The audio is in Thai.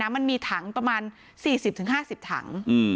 มันมีถังประมาณ๔๐๕๐ถัง